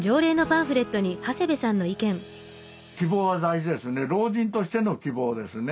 希望は大事ですね。